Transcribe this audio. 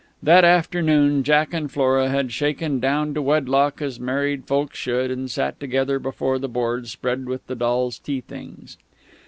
That afternoon, Jack and Flora had shaken down to wedlock as married folk should, and sat together before the board spread with the dolls' tea things.